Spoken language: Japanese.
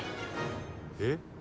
「えっ？」